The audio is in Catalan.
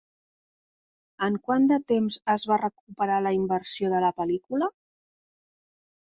En quant de temps es va recuperar la inversió de la pel·lícula?